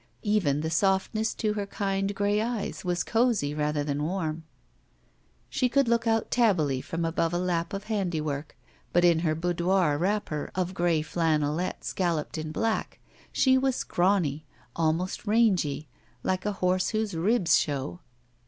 Even the softness to ha: kind gray eyes was cozy rather than warm. She could look out tabbily from above a lap of handiwork, but in her boudoir wrapper of gray flannelette scalloped in black she was scrawny, almost rangy, like a horse whose ribs show.